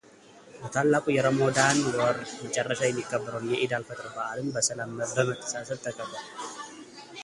በታላቁ የረመዷን ወር መጨረሻ የሚከበረውን የዒድ አልፈጥር በዓልን በሰላምና በመተሳሰብ ተከብሯል